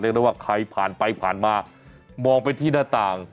ได้ว่าใครผ่านไปผ่านมามองไปที่หน้าต่าง